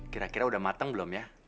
kira kira udah matang belum ya